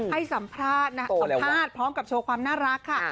ให้สัมภาษณ์สัมภาษณ์พร้อมกับโชว์ความน่ารักค่ะ